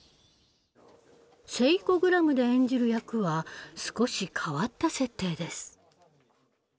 「セイコグラム」で演じる役は少し変わった設定です。